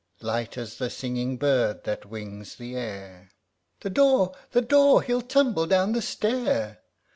Light as the singing bird that wings the air ŌĆö (The door ! the door ! he'll tumble down the stair